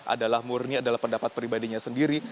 adalah murni adalah pendapat pribadinya sendiri